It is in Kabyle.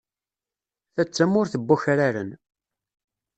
Ta d tamurt n wakraren.